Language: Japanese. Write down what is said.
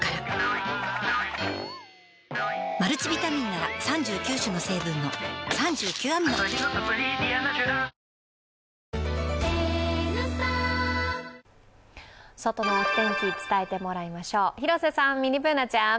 「ディアナチュラ」外のお天気伝えてもらいましょう、広瀬さん、ミニＢｏｏｎａちゃん。